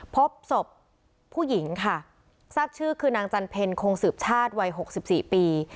พบศพผู้หญิงค่ะทราบชื่อคือนางจันเพ็ญคงสืบชาติวัย๖๔ปี